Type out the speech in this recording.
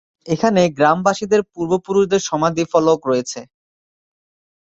এখানে গ্রামবাসীদের পূর্বপুরুষদের সমাধি ফলক রয়েছে।